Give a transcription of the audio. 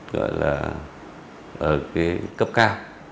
gọi là ở cái cấp cao